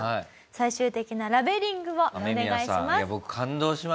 最終的なラベリングをお願いします。